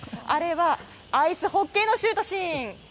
あれはアイスホッケーのシュートシーン！